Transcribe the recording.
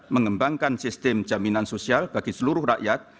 mengembangkan sistem jaminan sosial bagi seluruh rakyat